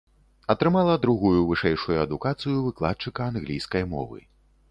Атрымала другую вышэйшую адукацыю выкладчыка англійскай мовы.